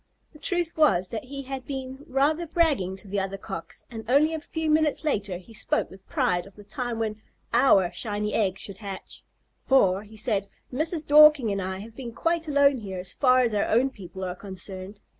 The truth was that he had been rather bragging to the other Cocks, and only a few minutes later he spoke with pride of the time when "our" shiny egg should hatch. "For," he said, "Mrs. Dorking and I have been quite alone here as far as our own people are concerned.